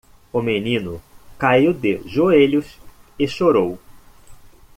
O menino caiu de joelhos e chorou.